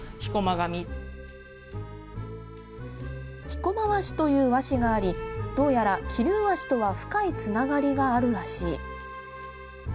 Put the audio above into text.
飛駒和紙という和紙がありどうやら桐生和紙とは深いつながりがあるらしい。